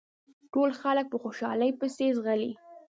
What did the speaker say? ټول خلک په خوشحالۍ پسې ځغلي.